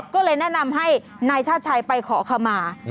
ก็เลยแนะนำให้นายชาติชัยไปขอขมา